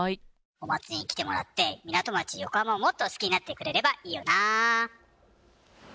お祭りに来てもらって港町横浜をもっと好きになってくれればいいよなー。